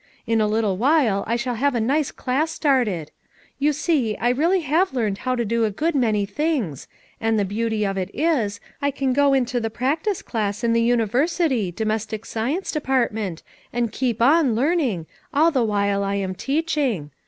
In a little while I shall have a nice class started. You see, I really have learned how to do a good many things; and the beauty of it is, I can go into the practice class' in the "University — Do mestic Science department and keep on learn ing, all the while I am teaching.